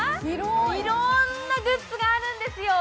いろんなグッズがあるんですよ。